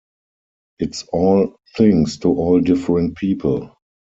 It's all things to all different people.